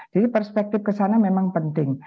jadi perspektif ke sana memang penting